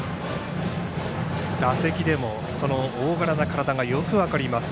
打席でも大柄な体がよく分かります。